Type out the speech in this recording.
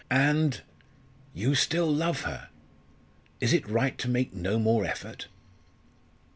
And you still love her. Is it right to make no more effort?"